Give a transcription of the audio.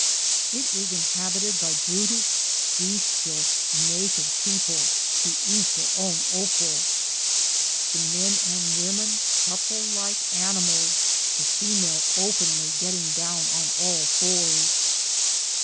It is inhabited by brutish, bestial, naked people who eat then own offal. The men and women couple like animals, the female openly getting down on all fours.